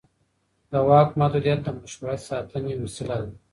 د واک محدودیت د مشروعیت ساتنې وسیله ده